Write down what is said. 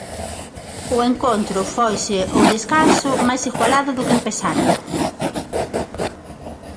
O encontro foise ao descanso máis igualado do que empezara.